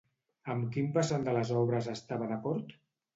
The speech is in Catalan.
Amb quin vessant de les obres estava d'acord?